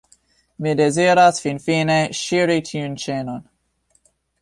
Mi deziras finfine ŝiri tiun ĉenon.